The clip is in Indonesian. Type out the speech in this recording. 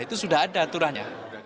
itu sudah ada aturannya